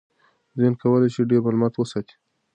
ذهن کولی شي ډېر معلومات وساتي.